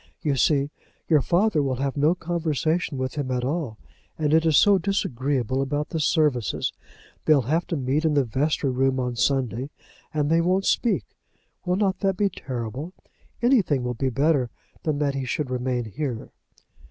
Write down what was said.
You see, your father will have no conversation with him at all, and it is so disagreeable about the services. They'll have to meet in the vestry room on Sunday, and they won't speak. Will not that be terrible? Anything will be better than that he should remain here."